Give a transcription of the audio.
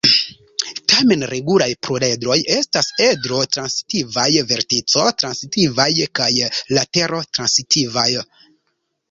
Tamen, regulaj pluredroj estas edro-transitivaj, vertico-transitivaj kaj latero-transitivaj.